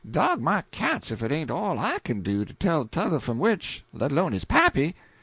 Dog my cats if it ain't all I kin do to tell t'other fum which, let alone his pappy."